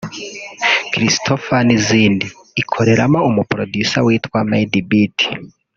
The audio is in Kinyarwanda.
Christopher n’izindi ikoreramo umu-producer witwa Made Beat